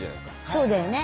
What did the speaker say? そうだよね。